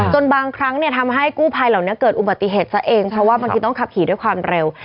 บางครั้งเนี่ยทำให้กู้ภัยเหล่านี้เกิดอุบัติเหตุซะเองเพราะว่าบางทีต้องขับขี่ด้วยความเร็ว